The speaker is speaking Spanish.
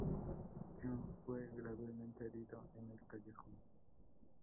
Gunn fue gravemente herido en el callejón.